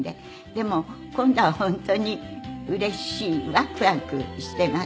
でも今度は本当にうれしいワクワクしています。